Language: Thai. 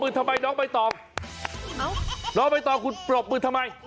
เอาไปต่อคุณปลบมือทำไม